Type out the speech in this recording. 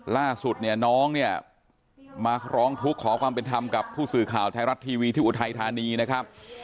ล่าสุดเนี่ยน้องเนี่ยมาร้องทุกข์ขอความเป็นธรรมกับผู้สื่อข่าวไทยรัฐทีวีที่อุทัยธานีนะครับ